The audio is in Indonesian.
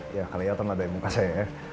ya kalian lihatlah dari muka saya ya